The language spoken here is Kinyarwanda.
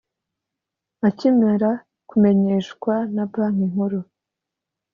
akimara kumenyeshwa na banki nkuru